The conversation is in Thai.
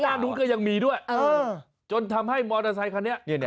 หน้านู้นก็ยังมีด้วยจนทำให้มอเตอร์ไซคันนี้